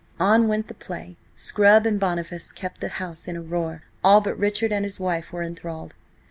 On went the play. Scrub and Boniface kept the house in a roar; all but Richard and his wife were enthralled.